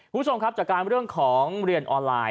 คุณผู้ชมครับจากการเรื่องของเรียนออนไลน์